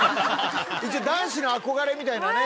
一応男子の憧れみたいなね。